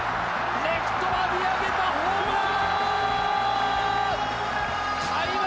レフトが見上げた、ホームラン。